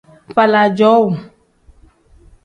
Faala cowuu.